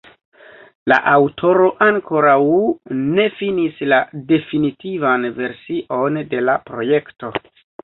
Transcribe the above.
La aŭtoro ankoraŭ ne finis la definitivan version de la projekto.